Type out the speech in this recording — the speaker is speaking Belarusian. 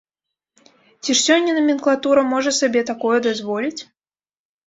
Ці ж сёння наменклатура можа сабе такое дазволіць?